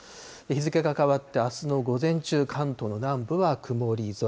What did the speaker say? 日付が変わってあすの午前中、関東の南部は曇り空。